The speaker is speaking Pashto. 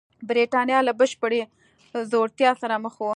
برېټانیا له بشپړې ځوړتیا سره مخ وه.